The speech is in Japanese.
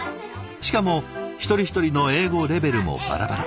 しかも一人一人の英語レベルもバラバラ。